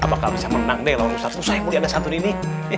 apakah bisa menang deh lawan ustazah nurul yang ada satu ini